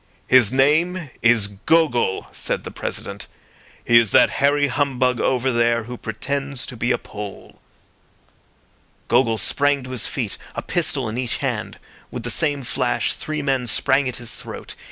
"His name is Gogol," said the President. "He is that hairy humbug over there who pretends to be a Pole." Gogol sprang to his feet, a pistol in each hand. With the same flash three men sprang at his throat.